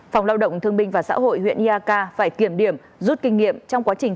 phòng lao động thương minh và xã hội huyện yaka phải kiểm điểm rút kinh nghiệm trong quá trình